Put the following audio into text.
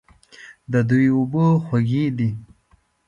د دوی اوبه خوږې دي.